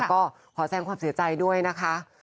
ก็ขอแสงความเสียใจด้วยนะคะ